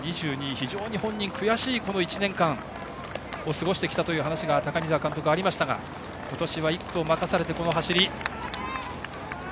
非常に本人は、悔しい１年間を過ごしてきたという話が高見澤監督からありましたが今年は１区を任されて、この走り。